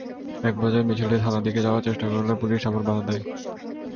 একপর্যায়ে মিছিলটি থানার দিকে যাওয়ার চেষ্টা করলে পুলিশ আবার বাধা দেয়।